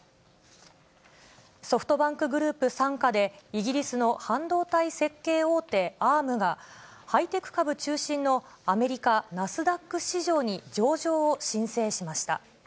ソフトバンクグループ傘下で、イギリスの半導体設計大手、アームが、ハイテク株中心のアメリカ・ナスダック市場に上場を申請しました。